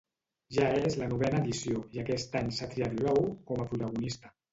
Ja és la novena edició i aquest any s'ha triat l'ou com a protagonista.